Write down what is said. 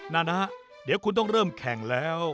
นะฮะเดี๋ยวคุณต้องเริ่มแข่งแล้ว